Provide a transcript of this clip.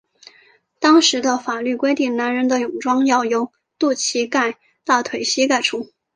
当时的法律规定男人的泳装要由肚脐盖大腿膝盖处。